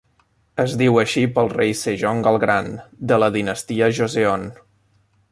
Es diu així pel rei Sejong el Gran de la dinastia Joseon.